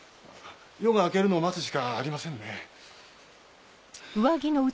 夜が明けるのを待つしかありませんね。